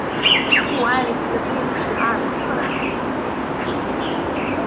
故爱丽丝不应是阿尔伯特的孩子。